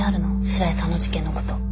白井さんの事件のこと。